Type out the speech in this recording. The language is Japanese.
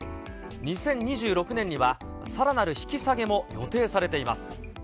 ２０２６年には、さらなる引き下げも予定されています。